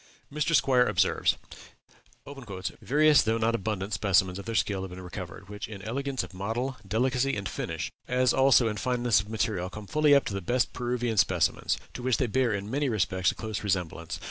Mr. Squier observes: "Various though not abundant specimens of their skill have been recovered, which in elegance of model, delicacy, and finish, as also in fineness of material, come fully up to the best Peruvian specimens, to which they bear, in many respects, a close resemblance.